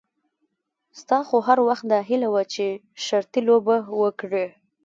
ستا خو هر وخت داهیله وه چې شرطي لوبه وکړې.